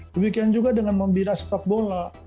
begitu juga dengan membina sepak bola